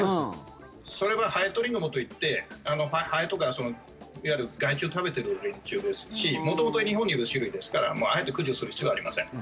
それはハエトリグモといってハエとか、いわゆる害虫を食べている連中ですし元々、日本にいる種類ですからあえて駆除する必要はありません。